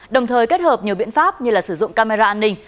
đồng thời kết hợp nhiều biện pháp như sử dụng camera an ninh